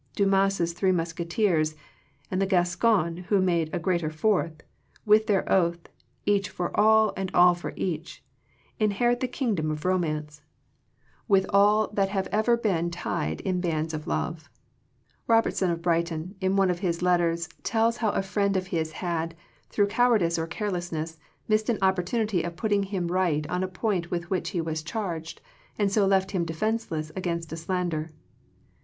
Dumas* Three Musketeers (and the Gascon who made a greater fourth), with their oath, Each for all, and all for each/' inherit that kingdom of Romance, 79 Digitized by VjOOQIC THE FRUITS OF FRIENDSHIP with all that ever have been tied in bands of love. Robertson of Brighton in one of his let ters tells how a friend of his had, through cowardice or carelessness, missed an op portunity of putting him right on a point with which he was charged,. and so left him defenceless against a slander.